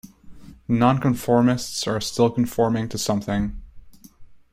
Non-conformists are still conforming to something.